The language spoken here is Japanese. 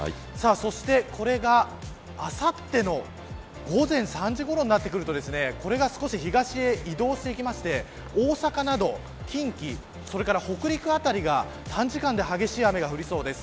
そして、これがあさっての午前３時ごろになってくると少し東に移動してきまして大阪など近畿それから北陸辺りが、短時間で激しい雨が降りそうです。